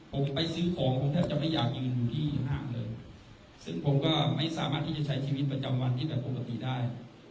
ผมไปซื้อของผมแทบจะพยายามยิงที่ห้างเลยซึ่งผมก็ไม่สามารถที่จะใช้ชีวิตประจำวันที่แบบปกติได้